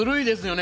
ね